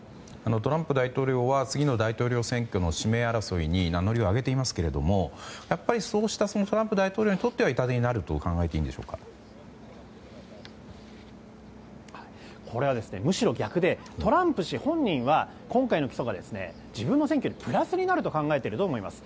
トランプ前大統領は次の大統領選挙の指名争いに名乗りを上げていますがやっぱりトランプ大統領にとっては、痛手になるとこれはむしろ逆でトランプ氏本人は今回の起訴が自分の選挙にプラスになると考えていると思います。